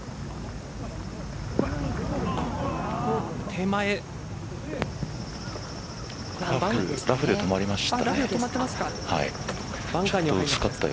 手前ラフで止まりました。